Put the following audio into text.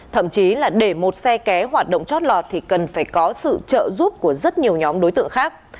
thậm chí là để một xe ké hoạt động chót lọt thì cần phải có sự trợ giúp của rất nhiều nhóm đối tượng khác